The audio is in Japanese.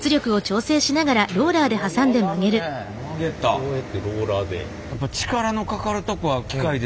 こうやってローラーで。